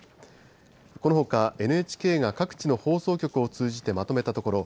このほかＮＨＫが各地の放送局を通じてまとめたところ